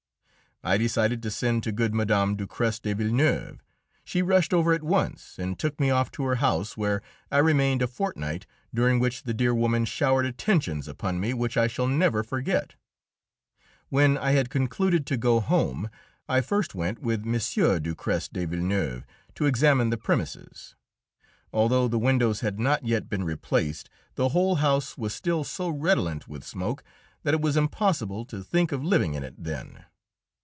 I decided to send to good Mme. Ducrest de Villeneuve. She rushed over at once, and took me off to her house, where I remained a fortnight, during which the dear woman showered attentions upon me which I shall never forget. When I had concluded to go home, I first went with M. Ducrest de Villeneuve to examine the premises. Although the windows had not yet been replaced, the whole house was still so redolent with smoke that it was impossible to think of living in it then.